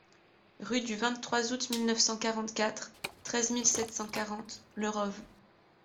Rue du vingt-trois Aout mille neuf cent quarante-quatre, treize mille sept cent quarante Le Rove